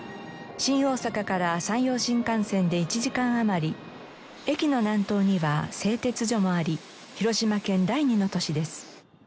新大阪から山陽新幹線で１時間余り駅の南東には製鉄所もあり広島県第２の都市です。